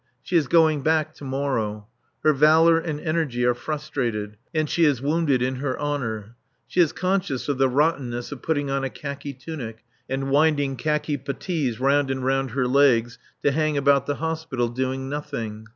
She is going back to morrow. Her valour and energy are frustrated and she is wounded in her honour. She is conscious of the rottenness of putting on a khaki tunic, and winding khaki putties round and round her legs to hang about the Hospital doing nothing.